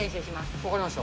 分かりました。